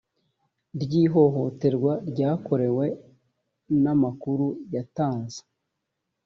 ry ihohoterwa yakorewe n amakuru yatanze